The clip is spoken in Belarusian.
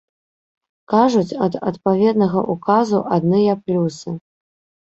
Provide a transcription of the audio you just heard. Кажуць, ад адпаведнага ўказу адныя плюсы!